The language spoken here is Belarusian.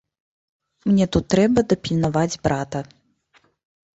Мне тут трэба дапільнаваць брата.